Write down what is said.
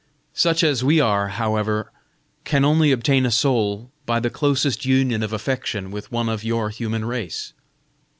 Such as we are, however, can only obtain a soul by the closest union of affection with one of your human race.